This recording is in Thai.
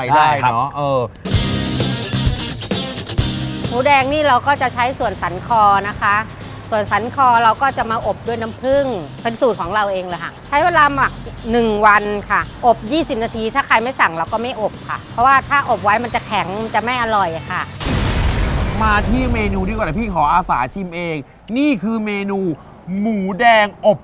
ถึงว่าเวลาผัดแล้วมันก็จะดับคาวได้อะไรได้เนอะเออ